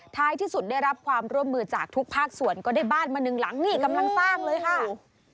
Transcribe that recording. ท้ายที่สุดได้รับความร่วมมือจากทุกภาคส่วนก็ได้บ้านมาหนึ่งหลังนี่กำลังสร้างเลยค่ะ